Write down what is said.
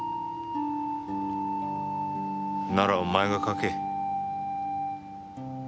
ならお前が書け。